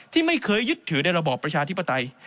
ที่ไม่เคยยึดถือในระบอบประชาธิปไตย